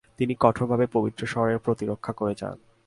তিনি কঠোরভাবে পবিত্র শহরের প্রতিরক্ষা করে যান।